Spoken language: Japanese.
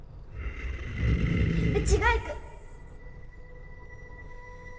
うちが行く。